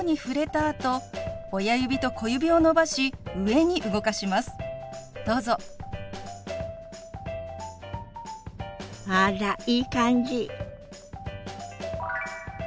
あらいい感じ！